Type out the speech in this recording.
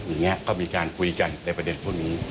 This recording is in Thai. อย่างนี้ก็มีการคุยกันในประเด็นพวกนี้